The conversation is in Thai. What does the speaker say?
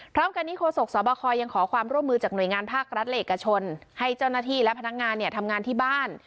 พร้อมกันนี้โฆษกสบคยังขอความร่วมมือจากหน่วยงานภาครัฐและเอกชนให้เจ้าหน้าที่และพนักงานเนี่ยทำงานที่บ้าน